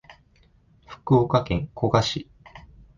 福岡県古賀市